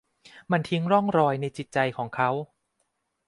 มันทิ้งร่องรอยในจิตใจของเขา